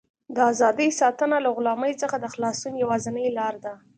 د ازادۍ ساتنه له غلامۍ څخه د خلاصون یوازینۍ لاره ده.